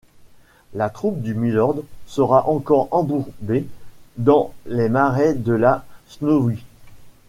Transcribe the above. La troupe du mylord sera encore embourbée dans les marais de la Snowy.